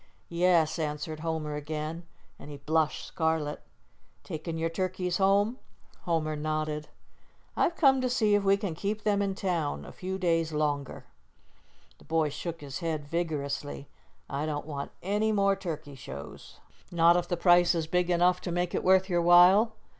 "Yes," answered Homer again, and he blushed scarlet. "Taking your turkeys home?" Homer nodded. "I've come to see if we can keep them in town a few days longer." The boy shook his head vigorously. "I don't want any more turkey shows." "Not if the price is big enough to make it worth your while?"